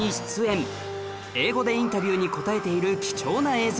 英語でインタビューに答えている貴重な映像